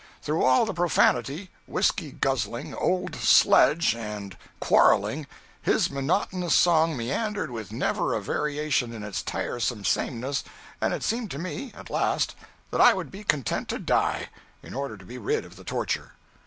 Through all the profanity, whisky guzzling, "old sledge" and quarreling, his monotonous song meandered with never a variation in its tiresome sameness, and it seemed to me, at last, that I would be content to die, in order to be rid of the torture.